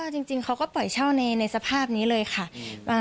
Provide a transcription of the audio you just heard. จริงเขาก็ปล่อยเช่าในสภาพนี้เลยค่ะ